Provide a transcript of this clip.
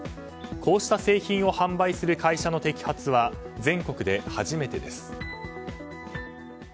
こうした製品を販売する会社の摘発は全国で初めてです。